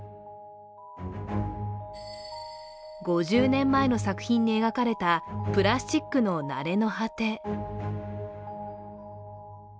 ５０年前の作品に描かれたプラスチックのなれの果て。